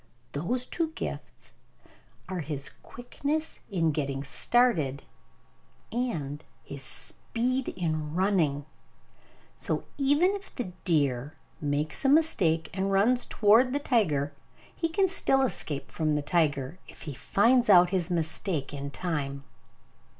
Those two gifts are his quickness in getting started, and his speed in running. So, even if the deer makes a mistake and runs toward the tiger, he can still escape from the tiger if he finds out his mistake in time.